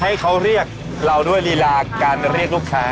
ให้เขาเรียกเราด้วยลีลาการเรียกลูกค้า